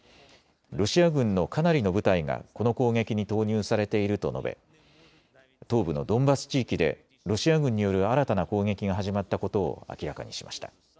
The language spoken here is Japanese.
ロシア軍のかなりの部隊がこの攻撃に投入されていると述べ東部のドンバス地域でロシア軍による新たな攻撃が始まったことを明らかにしました。